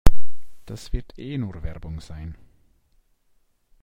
Das wird eh nur Werbung sein.